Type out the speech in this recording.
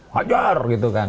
hajar gitu kan